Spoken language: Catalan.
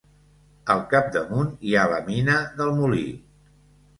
Al capdamunt, hi ha la Mina del Molí.